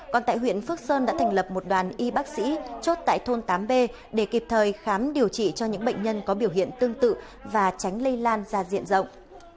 còn tại huyện phước sơn đã thành lập một đoàn y bác sĩ chốt tại thôn tám b để kịp thời khám điều trị cho những bệnh nhân có biểu hiện tương tự và tránh lây lan ra diện rộng